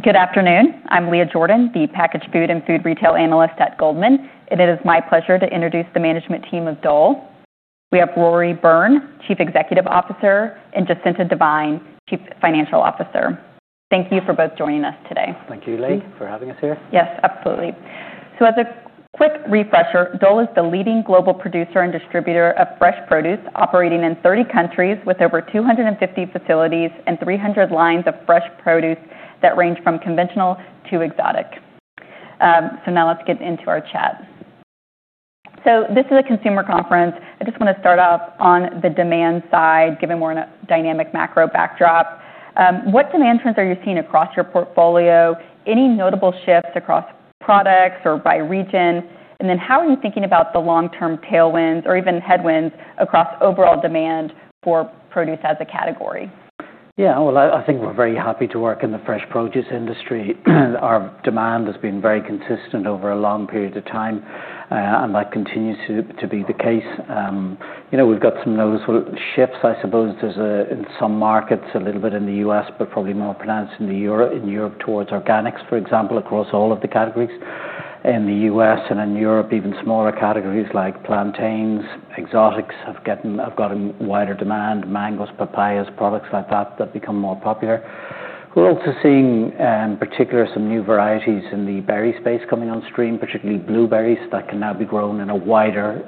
Thank you. Good afternoon. I'm Leah Jordan, the packaged food and food retail analyst at Goldman, and it is my pleasure to introduce the management team of Dole. We have Rory Byrne, Chief Executive Officer, and Jacinta Devine, Chief Financial Officer. Thank you for both joining us today. Thank you, Leah, for having us here. Yes, absolutely. As a quick refresher, Dole is the leading global producer and distributor of fresh produce operating in 30 countries with over 250 facilities and 300 lines of fresh produce that range from conventional to exotic. Now let's get into our chat. This is a consumer conference. I just wanna start off on the demand side, given more in a dynamic macro backdrop. What demand trends are you seeing across your portfolio? Any notable shifts across products or by region? How are you thinking about the long-term tailwinds or even headwinds across overall demand for produce as a category? Yeah. Well, I think we're very happy to work in the fresh produce industry. Our demand has been very consistent over a long period of time, that continues to be the case. You know, we've got some noticeable shifts, I suppose, there's a in some markets, a little bit in the U.S., probably more pronounced in Europe towards organics, for example, across all of the categories. In the U.S. and in Europe, even smaller categories like plantains, exotics have got a wider demand. Mangoes, papayas, products like that, have become more popular. We're also seeing, in particular some new varieties in the berry space coming on stream, particularly blueberries that can now be grown in a wider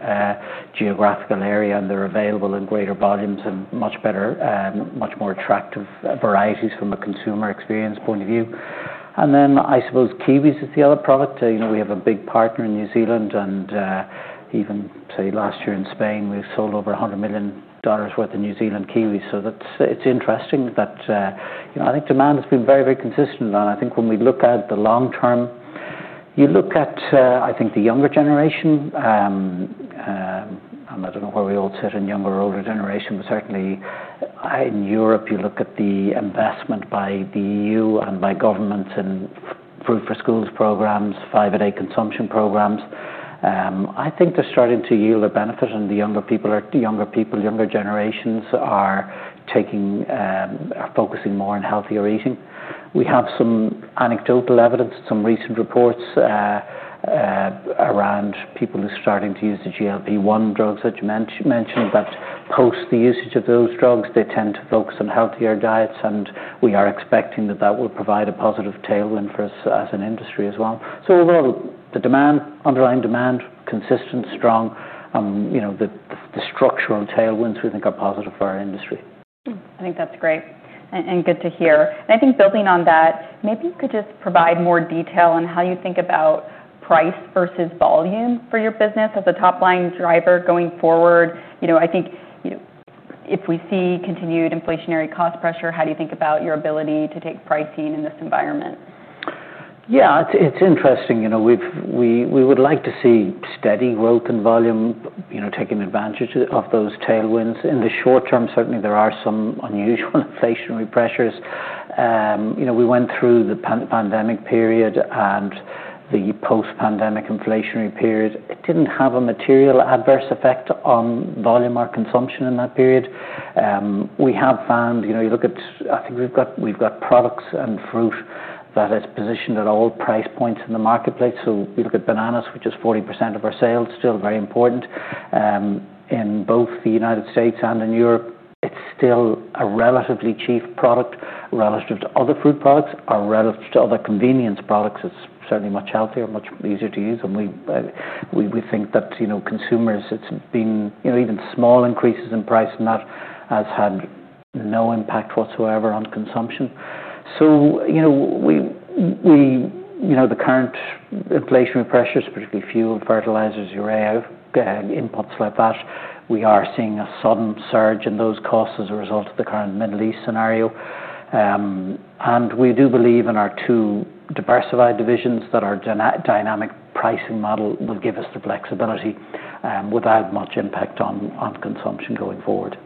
geographical area, and they're available in greater volumes and much better, much more attractive varieties from a consumer experience point of view. I suppose kiwis is the other product. You know, we have a big partner in New Zealand, even, say, last year in Spain, we sold over $100 million worth of New Zealand kiwis. It's interesting that, you know, I think demand has been very, very consistent. I think when we look at the long term, you look at, I think the younger generation, and I don't know where we all sit in younger or older generation, but certainly in Europe, you look at the investment by the EU and by government in Fruit For Schools programs, Five a Day consumption programs. I think they're starting to yield a benefit, and the younger people, younger generations are taking, are focusing more on healthier eating. We have some anecdotal evidence, some recent reports, around people who are starting to use the GLP-1 drugs that you mentioned, that post the usage of those drugs, they tend to focus on healthier diets, and we are expecting that that will provide a positive tailwind for us as an industry as well. Overall, the demand, underlying demand, consistent, strong, you know, the structural tailwinds we think are positive for our industry. I think that's great and good to hear. I think building on that, maybe you could just provide more detail on how you think about price versus volume for your business as a top-line driver going forward. You know, I think, you know, if we see continued inflationary cost pressure, how do you think about your ability to take pricing in this environment? Yeah. It's interesting. You know, we would like to see steady growth in volume, you know, taking advantage of those tailwinds. In the short term, certainly there are some unusual inflationary pressures. You know, we went through the pandemic period and the post-pandemic inflationary period. It didn't have a material adverse effect on volume or consumption in that period. We have found, you know, you look at I think we've got products and fruit that is positioned at all price points in the marketplace. If you look at bananas, which is 40% of our sales, still very important. In both the U.S. and in Europe, it's still a relatively cheap product relative to other fruit products or relative to other convenience products. It's certainly much healthier, much easier to use. We think that, you know, consumers, it's been, you know, even small increases in price and that has had no impact whatsoever on consumption. You know, the current inflationary pressures, particularly fuel, fertilizers, urea, inputs like that, we are seeing a sudden surge in those costs as a result of the current Middle East scenario. We do believe in our two Diversified Divisions that our dynamic pricing model will give us the flexibility without much impact on consumption going forward.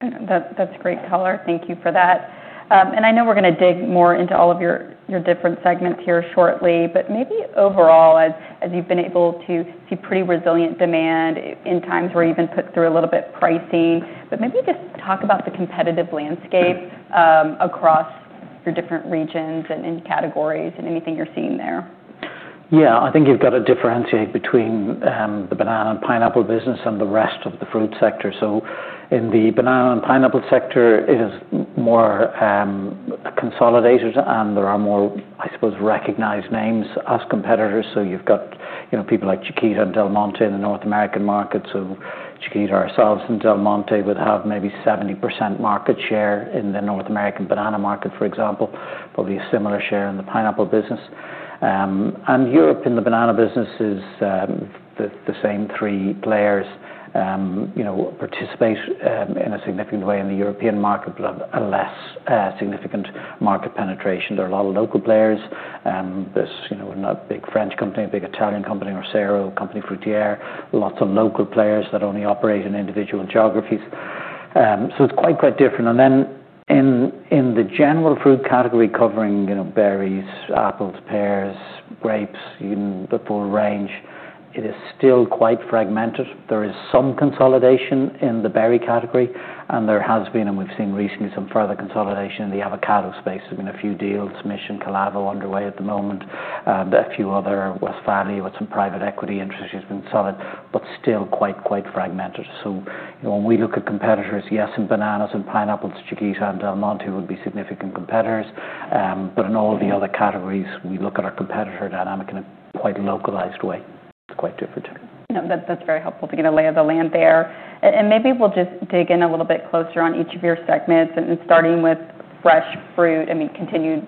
That's great color. Thank you for that. I know we're gonna dig more into all of your different segments here shortly, but maybe overall, as you've been able to see pretty resilient demand in times where you've been put through a little bit pricey, but maybe just talk about the competitive landscape. across your different regions and in categories and anything you're seeing there. Yeah. I think you've got to differentiate between the banana and pineapple business and the rest of the fruit sector. In the banana and pineapple sector, it is more consolidated, and there are more, I suppose, recognized names as competitors. You've got, you know, people like Chiquita and Del Monte in the North American market. Chiquita, ourselves, and Del Monte would have maybe 70% market share in the North American banana market, for example. Probably a similar share in the pineapple business. And Europe in the banana business is the same three players, you know, participate in a significant way in the European market, but have a less significant market penetration. There are a lot of local players. There's, you know, a big French company, a big Italian company, Orsero, Compagnie Fruitière, lots of local players that only operate in individual geographies. It's quite different. In the general fruit category covering, you know, berries, apples, pears, grapes, even the full range. It is still quite fragmented. There is some consolidation in the berry category, and there has been, and we've seen recently some further consolidation in the avocado space. There's been a few deals, Mission Calavo underway at the moment, but a few other West Pak with some private equity interest has been solid, but still quite fragmented. You know, when we look at competitors, yes, in bananas and pineapples, Chiquita and Del Monte would be significant competitors. In all the other categories, we look at our competitor dynamic in a quite localized way. It's quite different. No, that's very helpful to get a lay of the land there. Maybe we'll just dig in a little bit closer on each of your segments and starting with Fresh Fruit. I mean, continued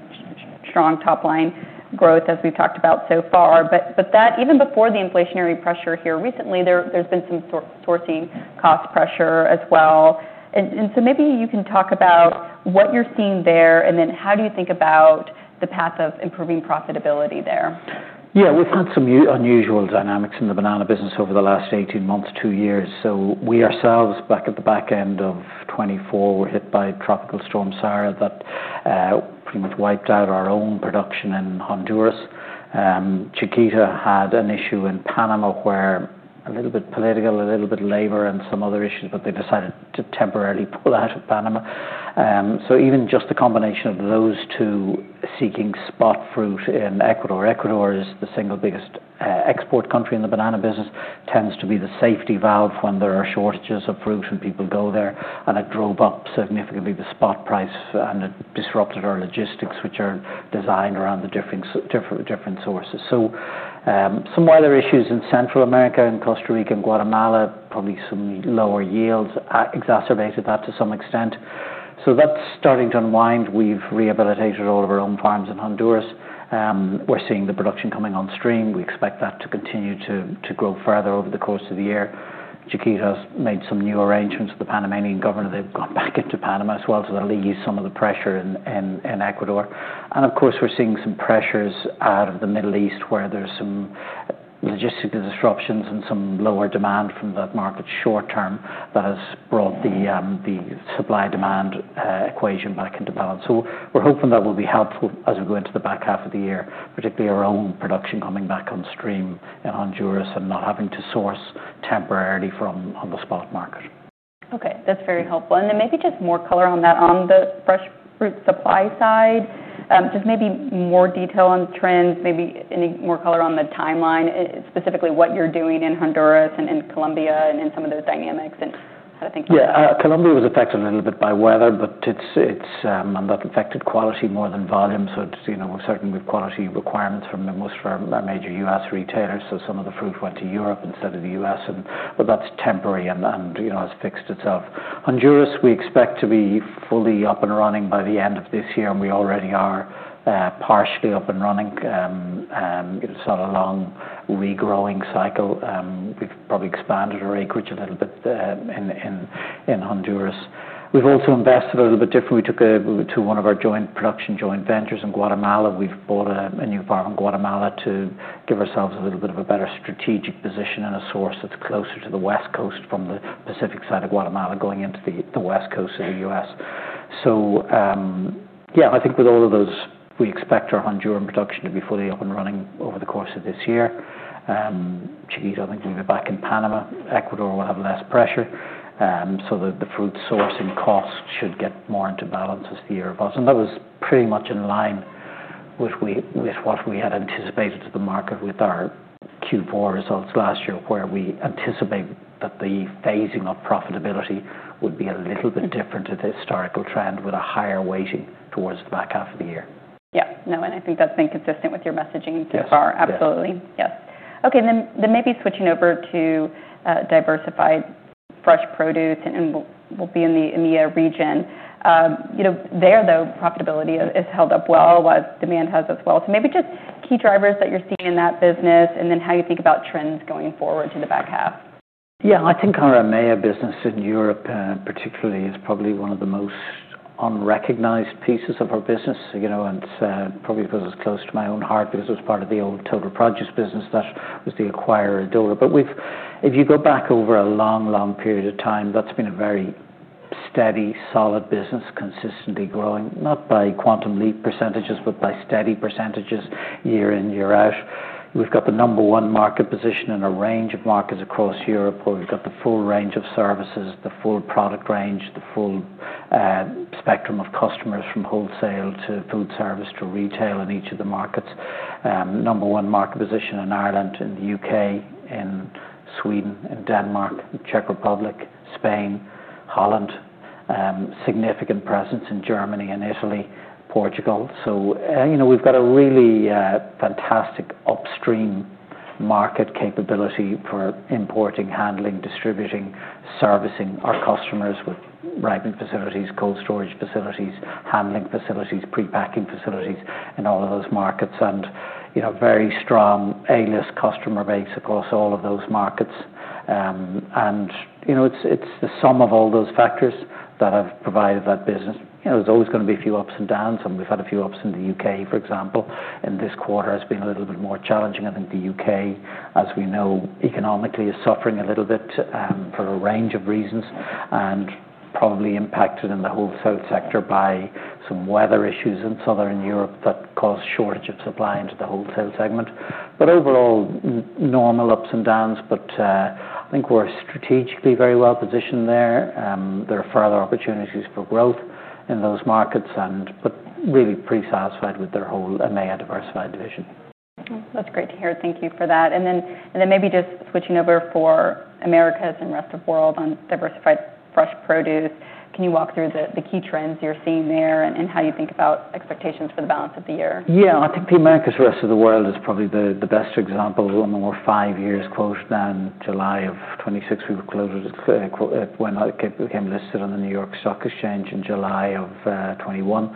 strong top line growth as we've talked about so far. But that even before the inflationary pressure here recently, there's been some sourcing cost pressure as well. So maybe you can talk about what you're seeing there, and then how do you think about the path of improving profitability there? We've had some unusual dynamics in the banana business over the last 18 months, two years. We ourselves, back at the back end of 2024, were hit by Tropical Storm Sara that pretty much wiped out our own production in Honduras. Chiquita had an issue in Panama where a little bit political, a little bit labor and some other issues, but they decided to temporarily pull out of Panama. Even just the combination of those two seeking spot fruit in Ecuador. Ecuador is the single biggest export country in the banana business, tends to be the safety valve when there are shortages of fruit, and people go there, and it drove up significantly the spot price and it disrupted our logistics, which are designed around the different sources. Some weather issues in Central America and Costa Rica and Guatemala, probably some lower yields, exacerbated that to some extent. That's starting to unwind. We've rehabilitated all of our own farms in Honduras. We're seeing the production coming on stream. We expect that to continue to grow further over the course of the year. Chiquita has made some new arrangements with the Panamanian government. They've gone back into Panama as well, that'll ease some of the pressure in Ecuador. Of course, we're seeing some pressures out of the Middle East, where there's some logistical disruptions and some lower demand from that market short term that has brought the supply-demand equation back into balance. We're hoping that will be helpful as we go into the back half of the year, particularly our own production coming back on stream in Honduras and not having to source temporarily from on the spot market. Okay, that's very helpful. Maybe just more color on that. On the fresh fruit supply side, just maybe more detail on trends, maybe any more color on the timeline, specifically what you're doing in Honduras and in Colombia and in some of those dynamics. Yeah. Colombia was affected a little bit by weather, but that affected quality more than volume. You know, we're certain with quality requirements from the most firm, major U.S. retailers, so some of the fruit went to Europe instead of the U.S. That's temporary and, you know, has fixed itself. Honduras, we expect to be fully up and running by the end of this year, and we already are partially up and running. It's not a long regrowing cycle. We've probably expanded our acreage a little bit in Honduras. We've also invested a little bit differently. We went to one of our joint production joint ventures in Guatemala. We've bought a new farm in Guatemala to give ourselves a little bit of a better strategic position and a source that's closer to the west coast from the Pacific side of Guatemala going into the west coast of the U.S. Yeah, I think with all of those, we expect our Honduran production to be fully up and running over the course of this year. Chiquita I think will be back in Panama. Ecuador will have less pressure. The fruit sourcing costs should get more into balance as the year evolves. That was pretty much in line with what we had anticipated to the market with our Q4 results last year, where we anticipate that the phasing of profitability would be a little bit different to the historical trend with a higher weighting towards the back half of the year. Yeah. No, I think that's been consistent with your messaging so far. Yes. Yeah. Absolutely. Yes. Okay, then maybe switching over to Diversified Fresh Produce and we'll be in the EMEA region. You know, there, though, profitability is held up well while demand has as well. Maybe just key drivers that you're seeing in that business and then how you think about trends going forward to the back half. Yeah. I think our EMEA business in Europe, particularly is probably one of the most unrecognized pieces of our business, you know, and probably because it's close to my own heart because it was part of the old Total Produce business that was the acquirer of Dole. If you go back over a long, long period of time, that's been a very steady, solid business, consistently growing, not by quantum leap percentages, but by steady percentages year in, year out. We've got the number one market position in a range of markets across Europe. We've got the full range of services, the full product range, the full spectrum of customers from wholesale to food service to retail in each of the markets. Number one market position in Ireland, in the U.K., in Sweden, in Denmark, Czech Republic, Spain, Holland, significant presence in Germany and Italy, Portugal. You know, we've got a really fantastic upstream market capability for importing, handling, distributing, servicing our customers with ripening facilities, cold storage facilities, handling facilities, pre-packing facilities in all of those markets. You know, very strong A-list customer base across all of those markets. And you know, it's the sum of all those factors that have provided that business. You know, there's always gonna be a few ups and downs, and we've had a few ups in the U.K., for example. This quarter has been a little bit more challenging. I think the U.K., as we know, economically is suffering a little bit for a range of reasons and probably impacted in the wholesale sector by some weather issues in Southern Europe that caused shortage of supply into the wholesale segment. Overall, normal ups and downs, I think we're strategically very well positioned there. There are further opportunities for growth in those markets but really pretty satisfied with their whole EMEA Diversified division. That's great to hear. Thank you for that. Then maybe just switching over for Americas and rest of world on Diversified Fresh Produce. Can you walk through the key trends you're seeing there and how you think about expectations for the balance of the year? Yeah. I think the Americas rest of the world is probably the best example. One more five years closed than July of 2026. We've closed it when I became listed on the New York Stock Exchange in July of 2021.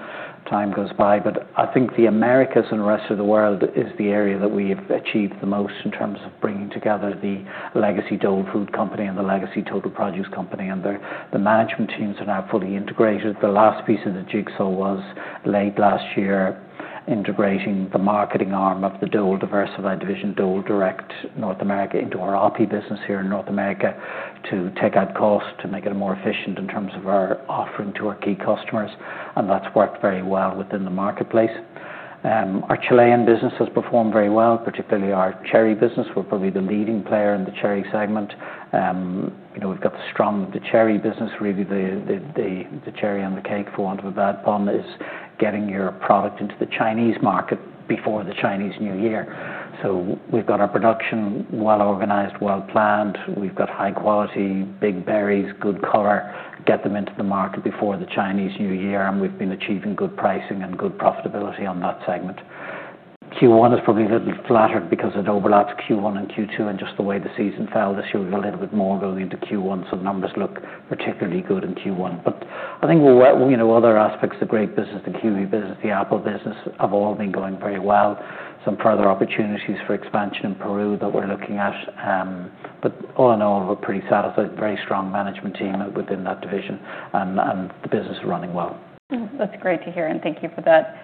Time goes by, I think the Americas and rest of the world is the area that we have achieved the most in terms of bringing together the legacy Dole Food Company and the legacy Total Produce plc. The management teams are now fully integrated. The last piece of the jigsaw was late last year, integrating the marketing arm of the Dole Diversified division, Dole Diversified North America, into our co-op business here in North America to take out cost, to make it more efficient in terms of our offering to our key customers. That's worked very well within the marketplace. Our Chilean business has performed very well, particularly our cherry business. We're probably the leading player in the cherry segment. You know, we've got the cherry business, really the cherry on the cake, for want of a bad pun, is getting your product into the Chinese market before the Chinese New Year. We've got our production well organized, well planned. We've got high quality, big berries, good color, get them into the market before the Chinese New Year, and we've been achieving good pricing and good profitability on that segment. Q1 is probably a little flattered because it overlaps Q1 and Q2 and just the way the season fell this year with a little bit more going into Q1, numbers look particularly good in Q1. Well, you know, other aspects, the grape business, the kiwi business, the apple business have all been going very well. Some further opportunities for expansion in Peru that we're looking at, all in all, we're pretty satisfied. Very strong management team within that division, and the business is running well. That's great to hear, and thank you for that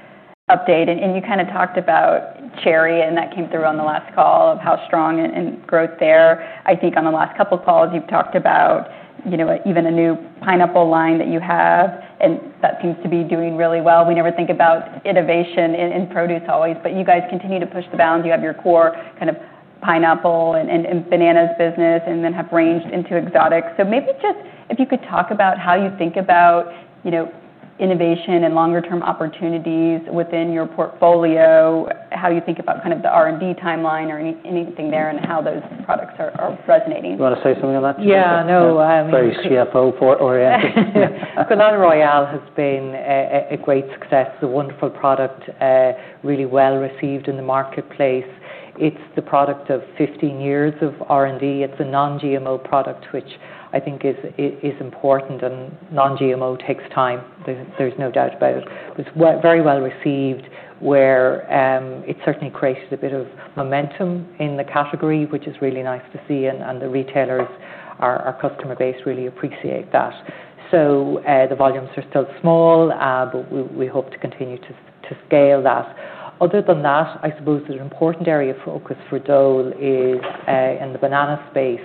update. You kind of talked about cherry, and that came through on the last call of how strong and growth there. I think on the last couple calls you've talked about, you know, even a new pineapple line that you have, and that seems to be doing really well. We never think about innovation in produce always, but you guys continue to push the bounds. You have your core kind of pineapple and bananas business and then have ranged into exotic. Maybe just if you could talk about how you think about, you know, innovation and longer term opportunities within your portfolio, how you think about kind of the R&D timeline or anything there and how those products are resonating? You wanna say something on that, Jacinta Devine? Yeah. No, Very CFO-report-oriented. Banana Royale has been a great success, a wonderful product, really well received in the marketplace. It's the product of 15 years of R&D. It's a non-GMO product, which I think is important. Non-GMO takes time. There's no doubt about it. It's very well received, where it certainly created a bit of momentum in the category, which is really nice to see, and the retailers, our customer base really appreciate that. The volumes are still small, but we hope to continue to scale that. Other than that, I suppose that an important area of focus for Dole is in the banana space,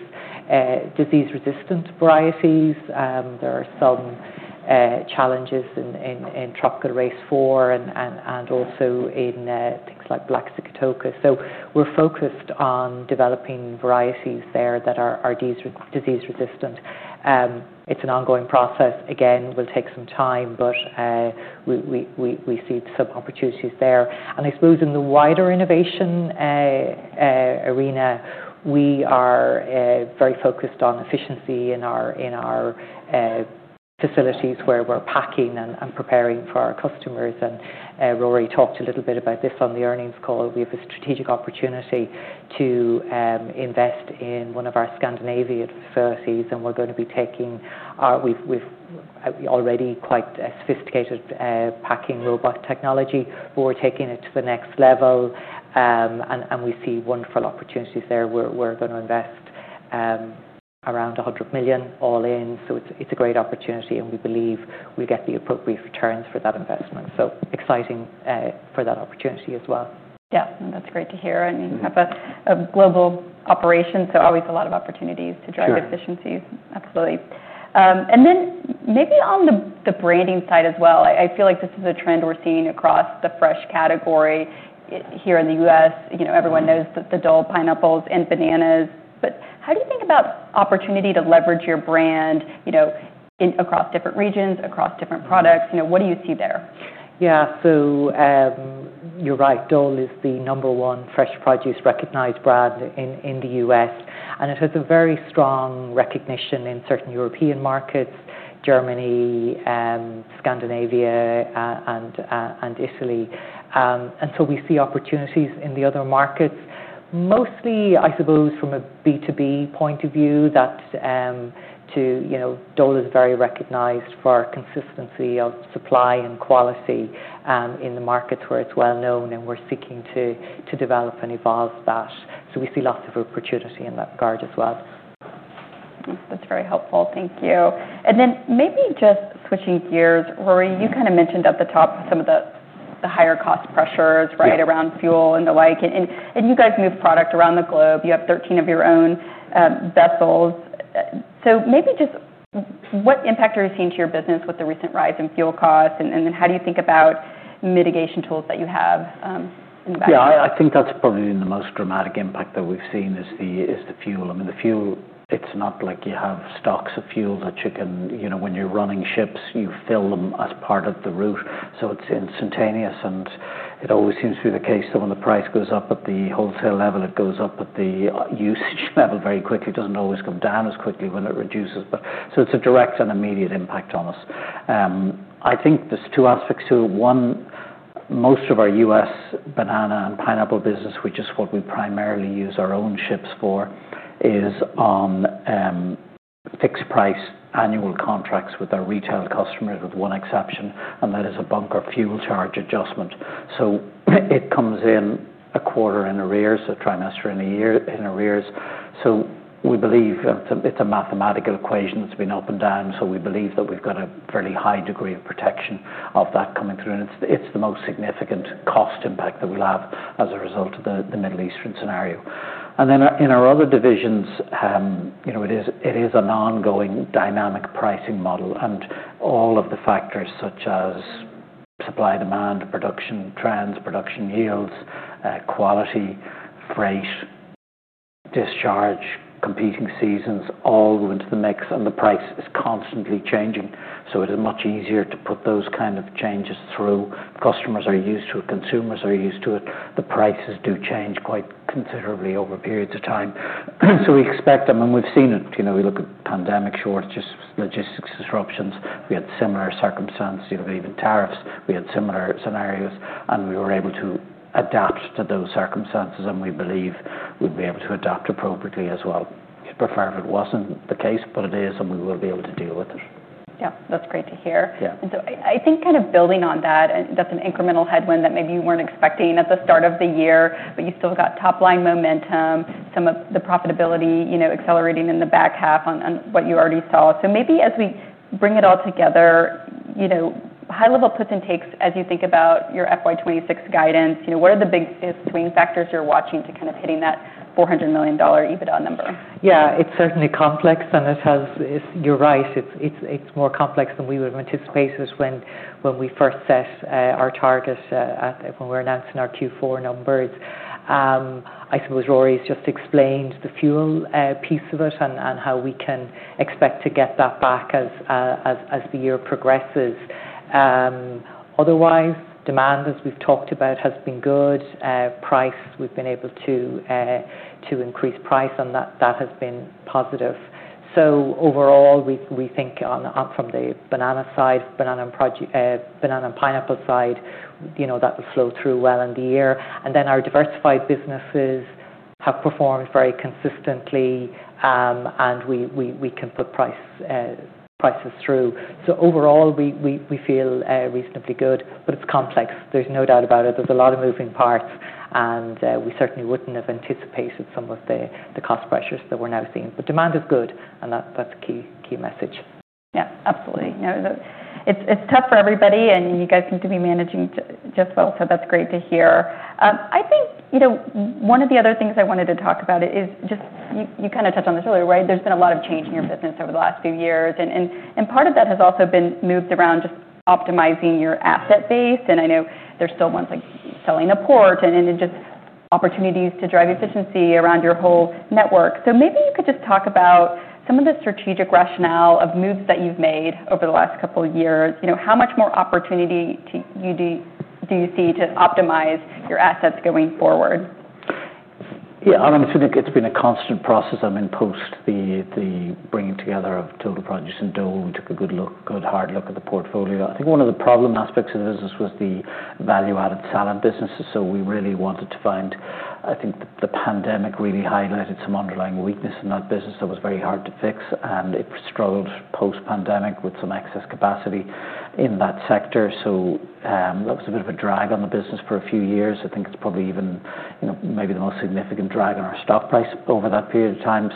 disease-resistant varieties. There are some challenges in Tropical Race 4 and also in things like black sigatoka. We're focused on developing varieties there that are disease resistant. It's an ongoing process. Again, will take some time, but we see some opportunities there. I suppose in the wider innovation arena, we are very focused on efficiency in our facilities where we're packing and preparing for our customers. Rory talked a little bit about this on the earnings call. We have a strategic opportunity to invest in one of our Scandinavian facilities, and we're gonna be taking our already quite sophisticated packing robot technology. We're taking it to the next level, and we see wonderful opportunities there. We're gonna invest around $100 million all in. It's a great opportunity, and we believe we get the appropriate returns for that investment. Exciting for that opportunity as well. Yeah. No, that's great to hear. I mean, you have a global operation, always a lot of opportunities to drive. Sure efficiencies. Absolutely. Then maybe on the branding side as well, I feel like this is a trend we're seeing across the fresh category here in the U.S. You know, everyone knows the Dole pineapples and bananas. How do you think about opportunity to leverage your brand, you know, across different regions, across different products? You know, what do you see there? Yeah. You're right, Dole is the number one fresh produce recognized brand in the U.S., and it has a very strong recognition in certain European markets, Germany, Scandinavia, and Italy. We see opportunities in the other markets, mostly, I suppose, from a B2B point of view that, you know, Dole is very recognized for consistency of supply and quality in the markets where it's well known, and we're seeking to develop and evolve that. We see lots of opportunity in that regard as well. That's very helpful. Thank you. Then maybe just switching gears, Rory, you kind of mentioned at the top some of the higher cost pressures. Yeah right around fuel and the like. You guys move product around the globe. You have 13 of your own vessels. Maybe just what impact are you seeing to your business with the recent rise in fuel costs and then how do you think about mitigation tools that you have in the back half? I think that's probably been the most dramatic impact that we've seen is the fuel. I mean, the fuel, it's not like you have stocks of fuel that you can when you're running ships, you fill them as part of the route. It's instantaneous, it always seems to be the case that when the price goes up at the wholesale level, it goes up at the usage level very quickly. It doesn't always come down as quickly when it reduces. It's a direct and immediate impact on us. I think there's two aspects to it. 1, most of our U.S. banana and pineapple business, which is what we primarily use our own ships for, is on fixed price annual contracts with our retail customers, with one exception, and that is a bunker fuel charge adjustment. It comes in a quarter in arrears, a trimester in a year in arrears. We believe it's a mathematical equation that's been up and down. We believe that we've got a fairly high degree of protection of that coming through, and it's the most significant cost impact that we'll have as a result of the Middle Eastern scenario. In our other divisions, you know, it is an ongoing dynamic pricing model and all of the factors such as supply, demand, production trends, production yields, quality, freight, discharge, competing seasons all go into the mix, and the price is constantly changing. It is much easier to put those kind of changes through. Customers are used to it, consumers are used to it. The prices do change quite considerably over periods of time. We expect them, and we've seen it. You know, we look at pandemic shortages, logistics disruptions. We had similar circumstance. You know, even tariffs, we had similar scenarios, and we were able to adapt to those circumstances, and we believe we'll be able to adapt appropriately as well. We'd prefer if it wasn't the case, but it is, and we will be able to deal with it. Yeah. That's great to hear. Yeah. I think kind of building on that, and that's an incremental headwind that maybe you weren't expecting at the start of the year, but you still got top-line momentum, some of the profitability, you know, accelerating in the back half on what you already saw. Maybe as we bring it all together, you know, high level puts and takes as you think about your FY 2026 guidance, you know, what are the biggest swing factors you're watching to kind of hitting that $400 million EBITDA number? Yeah. It's certainly complex, and you're right. It's more complex than we would have anticipated when we first set our target when we were announcing our Q4 numbers. I suppose Rory's just explained the fuel piece of it and how we can expect to get that back as the year progresses. Otherwise, demand, as we've talked about, has been good. Price, we've been able to increase price, and that has been positive. Overall, we think from the banana side, banana and pineapple side, you know, that will flow through well in the year. Our diversified businesses have performed very consistently, and we can put price prices through. Overall, we feel reasonably good, but it's complex. There's no doubt about it. There's a lot of moving parts, and we certainly wouldn't have anticipated some of the cost pressures that we're now seeing. Demand is good, and that's a key message. Yeah, absolutely. No, it's tough for everybody, and you guys seem to be managing just well, so that's great to hear. I think, you know, one of the other things I wanted to talk about is just, you kinda touched on this earlier, right? There's been a lot of change in your business over the last few years and part of that has also been moves around just optimizing your asset base, and I know there's still ones like selling a port and then just opportunities to drive efficiency around your whole network. Maybe you could just talk about some of the strategic rationale of moves that you've made over the last couple years. You know, how much more opportunity do you see to optimize your assets going forward? I mean, I think it's been a constant process. I mean, post the bringing together of Total Produce and Dole, we took a good hard look at the portfolio. I think one of the problem aspects of the business was the value-added salad business. I think the pandemic really highlighted some underlying weakness in that business that was very hard to fix, and it struggled post-pandemic with some excess capacity in that sector. That was a bit of a drag on the business for a few years. I think it's probably even, you know, maybe the most significant drag on our stock price over that period of time.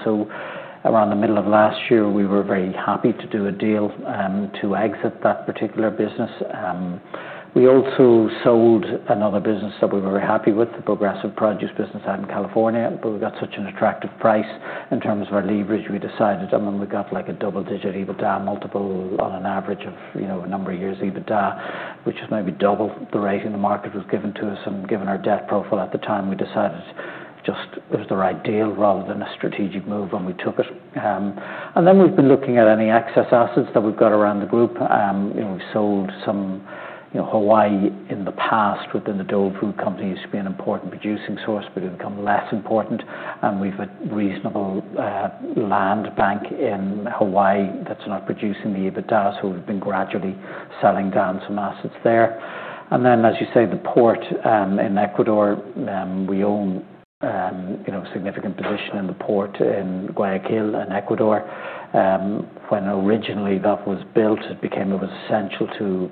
Around the middle of last year, we were very happy to do a deal to exit that particular business. We also sold another business that we were very happy with, the Progressive Produce business out in California. We got such an attractive price in terms of our leverage, we decided I mean, we got like a double-digit EBITDA multiple on an average of, you know, a number of years' EBITDA, which is maybe double the rating the market was giving to us. Given our debt profile at the time, we decided just it was the right deal rather than a strategic move, and we took it. Then we've been looking at any excess assets that we've got around the group. You know, we sold some, you know, Hawaii in the past within the Dole Food Company used to be an important producing source, but it had become less important. We've a reasonable land bank in Hawaii that's not producing the EBITDA, so we've been gradually selling down some assets there. As you say, the port in Ecuador, we own, you know, a significant position in the port in Guayaquil in Ecuador. When originally that was built, it became of essential to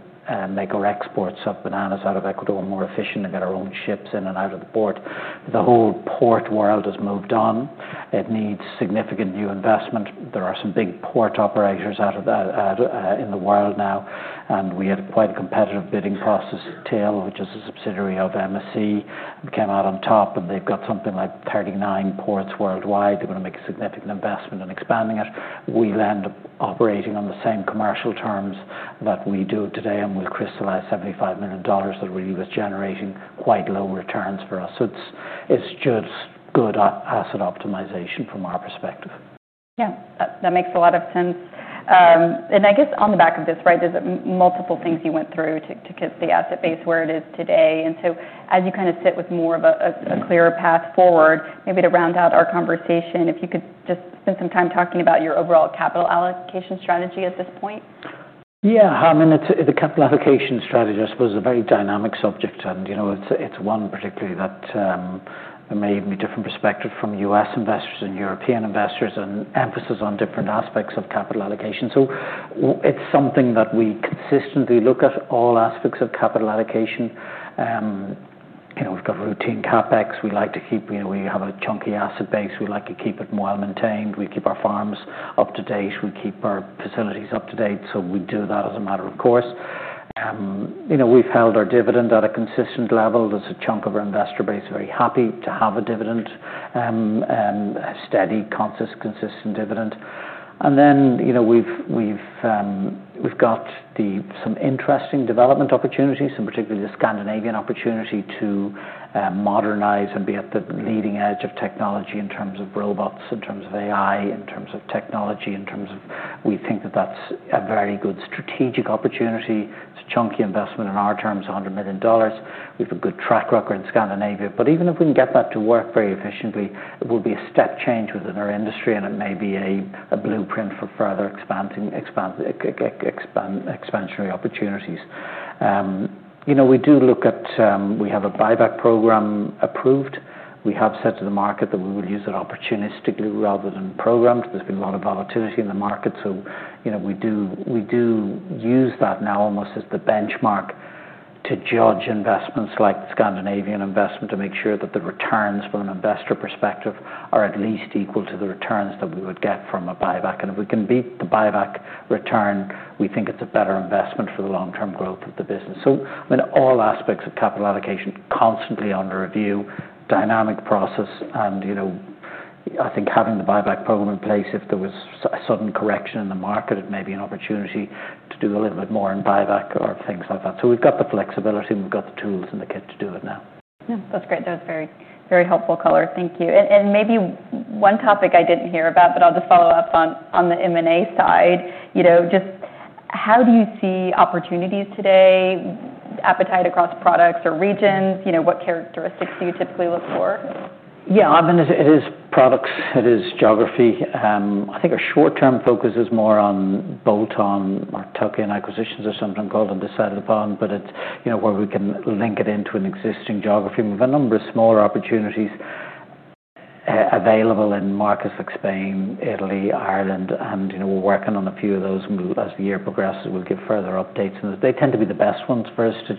make our exports of bananas out of Ecuador more efficient and get our own ships in and out of the port. The whole port world has moved on. It needs significant new investment. There are some big port operators out of that in the world now. We had quite a competitive bidding process. TiL, which is a subsidiary of MSC, came out on top, and they've got something like 39 ports worldwide. They're gonna make a significant investment in expanding it. We'll end up operating on the same commercial terms that we do today, and we'll crystallize $75 million that really was generating quite low returns for us. It's just good asset optimization from our perspective. Yeah. That makes a lot of sense. I guess on the back of this, right, there's multiple things you went through to get the asset base where it is today. As you kind of sit with more of a clearer path forward, maybe to round out our conversation, if you could just spend some time talking about your overall capital allocation strategy at this point. I mean, the capital allocation strategy I suppose is a very dynamic subject and, you know, it's one particularly that there may even be different perspective from U.S. investors and European investors and emphasis on different aspects of capital allocation. It's something that we consistently look at all aspects of capital allocation. You know, we've got routine CapEx we like to keep. You know, we have a chunky asset base, we like to keep it well-maintained. We keep our farms up to date. We keep our facilities up to date. We do that as a matter of course. You know, we've held our dividend at a consistent level. There's a chunk of our investor base very happy to have a dividend, a steady, consistent dividend. You know, we've got some interesting development opportunities, particularly the Scandinavian opportunity to modernize and be at the leading edge of technology in terms of robots, in terms of AI, in terms of technology. We think that that's a very good strategic opportunity. It's a chunky investment. In our terms, $100 million. We've a good track record in Scandinavia. Even if we can get that to work very efficiently, it will be a step change within our industry, it may be a blueprint for further expansionary opportunities. We have a buyback program approved. We have said to the market that we will use it opportunistically rather than programmed. There's been a lot of volatility in the market, you know, we do use that now almost as the benchmark to judge investments like the Scandinavian investment to make sure that the returns from an investor perspective are at least equal to the returns that we would get from a buyback. If we can beat the buyback return, we think it's a better investment for the long-term growth of the business. I mean, all aspects of capital allocation constantly under review, dynamic process and, you know, I think having the buyback program in place, if there was a sudden correction in the market, it may be an opportunity to do a little bit more in buyback or things like that. We've got the flexibility and we've got the tools in the kit to do it now. Yeah. That's great. That was very, very helpful color. Thank you. Maybe one topic I didn't hear about, but I'll just follow up on the M&A side. You know, just how do you see opportunities today, appetite across products or regions? You know, what characteristics do you typically look for? Yeah. I mean, it is products, it is geography. I think our short-term focus is more on bolt-on or tuck-in acquisitions as sometimes called and decided upon. You know, where we can link it into an existing geography. We've a number of smaller opportunities available in markets like Spain, Italy, Ireland, and, you know, we're working on a few of those. As the year progresses, we'll give further updates. They tend to be the best ones for us. You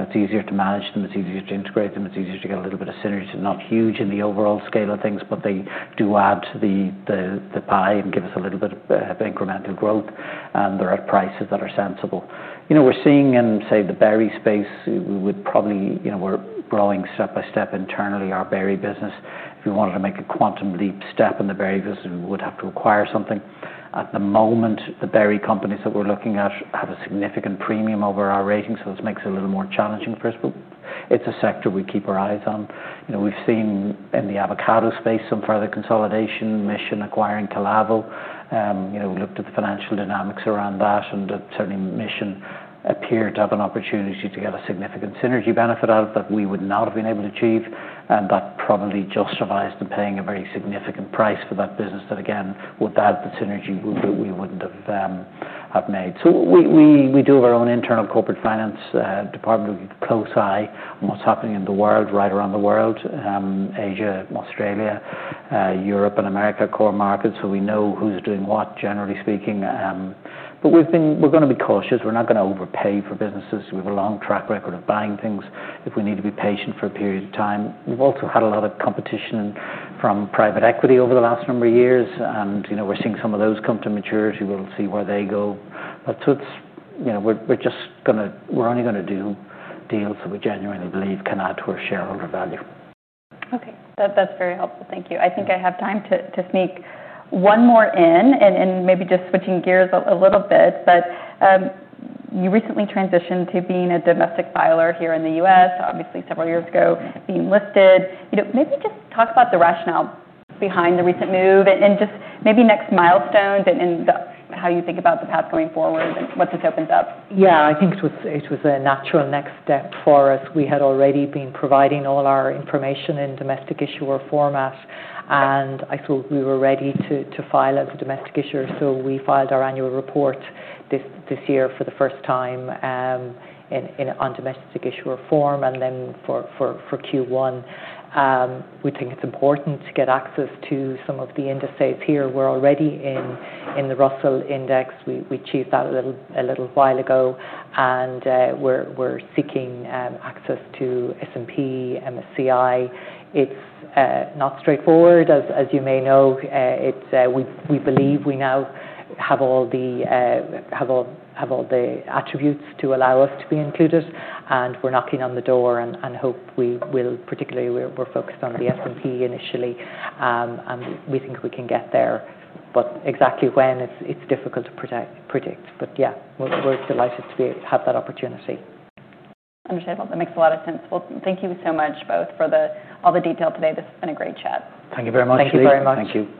know, it's easier to manage them, it's easier to integrate them, it's easier to get a little bit of synergy. Not huge in the overall scale of things, they do add to the pie and give us a little bit of incremental growth. They're at prices that are sensible. You know, we're seeing in, say, the berry space, we would probably You know, we're growing step by step internally our berry business. If we wanted to make a quantum leap step in the berry business, we would have to acquire something. At the moment, the berry companies that we're looking at have a significant premium over our rating, so it makes it a little more challenging for us. It's a sector we keep our eyes on. You know, we've seen in the avocado space some further consolidation, Mission acquiring Calavo. You know, we looked at the financial dynamics around that, and that certainly Mission appeared to have an opportunity to get a significant synergy benefit out of that we would not have been able to achieve. That probably justified them paying a very significant price for that business that again, without the synergy we wouldn't have made. We do have our own internal corporate finance department. We keep a close eye on what's happening in the world, right around the world, Asia, Australia, Europe and America, core markets, so we know who's doing what, generally speaking. We're going to be cautious. We're not going to overpay for businesses. We have a long track record of buying things if we need to be patient for a period of time. We've also had a lot of competition from private equity over the last number of years and, you know, we're seeing some of those come to maturity. We'll see where they go. It's You know, we're only gonna do deals that we genuinely believe can add to our shareholder value. Okay. That's very helpful. Thank you. I think I have time to sneak one more in and maybe just switching gears a little bit. You recently transitioned to being a domestic filer here in the U.S., obviously several years ago being listed. You know, maybe just talk about the rationale behind the recent move and just maybe next milestones and how you think about the path going forward and what this opens up. Yeah, I think it was a natural next step for us. We had already been providing all our information in domestic issuer format, and I thought we were ready to file as a domestic issuer. We filed our annual report this year for the first time on domestic issuer form and then for Q1. We think it's important to get access to some of the indices here. We're already in the Russell Index. We achieved that a little while ago and we're seeking access to S&P, MSCI. It's not straightforward, as you may know. We believe we now have all the attributes to allow us to be included, and we're knocking on the door and hope we will. Particularly we're focused on the S&P initially. We think we can get there. Exactly when, it's difficult to project, predict. Yeah, we're delighted to have that opportunity. Understood. Well, that makes a lot of sense. Well, thank you so much both for all the detail today. This has been a great chat. Thank you very much, Leah Jordan. Thank you very much. Thank you.